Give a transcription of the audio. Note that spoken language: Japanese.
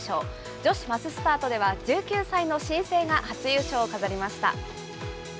女子マススタートでは、１９歳の新星が初優勝を飾りました。